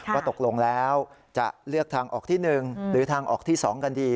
ว่าตกลงแล้วจะเลือกทางออกที่๑หรือทางออกที่๒กันดี